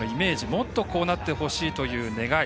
もっとこうなってほしいという願い。